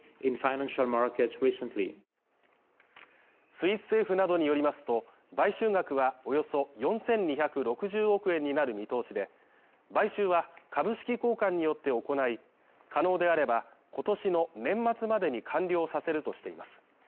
スイス政府などによりますと、買収額はおよそ４２６０億円になる見通しで、買収は、株式交換によって行い、可能であれば今年の年末までに完了させるとしています。